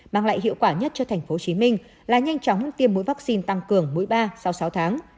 mang lại hiệu quả nhất cho tp hcm là nhanh chóng tiêm mũi vaccine tăng cường mũi ba sau sáu tháng